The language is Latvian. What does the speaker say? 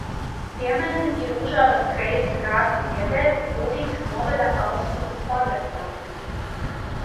Tiemene ir Užavas kreisā krasta pieteka Kuldīgas novada Alsungas pagastā.